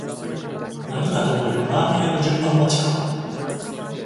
何かと思えばラーメン屋の順番待ちか